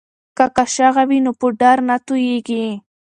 که قاشغه وي نو پوډر نه توییږي.